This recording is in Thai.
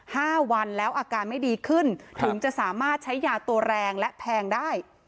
ห้าวันแล้วอาการไม่ดีขึ้นถึงจะสามารถใช้ยาตัวแรงและแพงได้